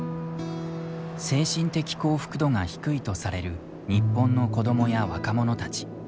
精神的幸福度が低いとされる日本の子どもや若者たち。